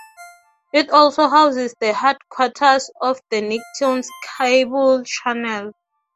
It also houses the headquarters of the Nicktoons cable channel.